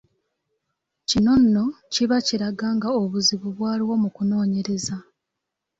Kino nno kiba kiraga nga obuzibu bwaliwo mu kunoonyereza.